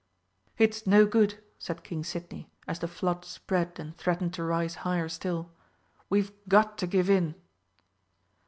"It's no good!" said King Sidney, as the flood spread and threatened to rise higher still, "we've got to give in."